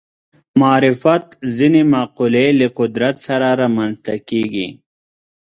معرفت ځینې مقولې له قدرت سره رامنځته کېږي